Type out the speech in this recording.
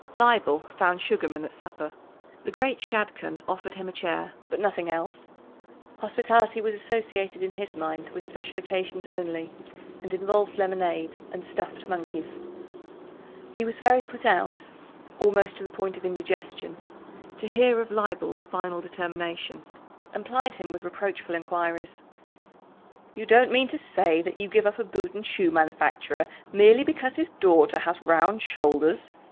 Leibel found Sugarman at supper. The great Shadchan offered him a chair, but nothing else. Hospitality was associated in his mind with special occasions only, and involved lemonade and "stuffed monkeys." He was very put out almost to the point of indigestion to hear of Leibel's final determination, and plied him with reproachful enquiries. "You don't mean to say that you give up a boot and shoe manufacturer merely because his daughter has round shoulders!"